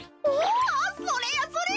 ああそれやそれや。